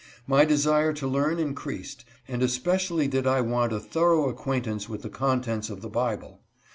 My desire to learn increased, and especially did I want a thorough acquaintance with the contents of the Bible.